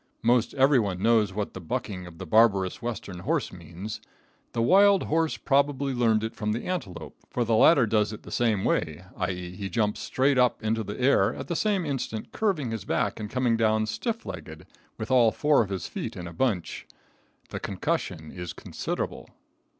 Most everyone knows what the bucking of the barbarous Western horse means. The wild horse probably learned it from the antelope, for the latter does it the same way, i.e., he jumps straight up into the air, at the same instant curving his back and coming down stiff legged, with all four of his feet in a bunch. The concussion is considerable.